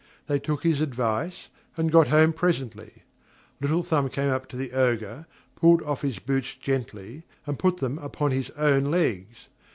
They took his advice, and got home presently. Little Thumb came up to the Ogre, pulled off his boots gently, and put them on upon his own legs.